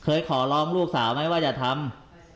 ขอร้องลูกสาวไหมว่าอย่าทำ